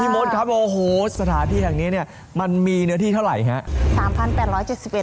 มดครับโอ้โหสถานที่แห่งนี้เนี่ยมันมีเนื้อที่เท่าไหร่ครับ